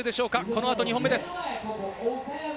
この後、２本目です。